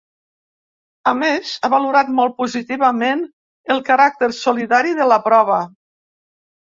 A més ha valorat molt positivament el caràcter solidari de la prova.